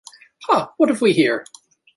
Ha, what have we here!